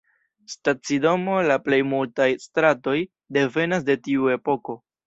Stacidomo kaj la plej multaj stratoj devenas de tiu epoko.